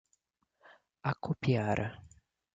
Acopiara